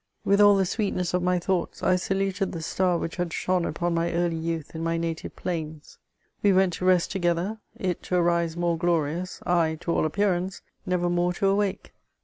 With all the sweetness of my thoughts, I saluted the star which had shone upon my early youth in my natrve plains : we went to rest together ; it to arise more ^orious, I, to all appearance, never more to awake.